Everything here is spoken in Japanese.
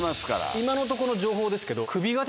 今のとこの情報ですけど。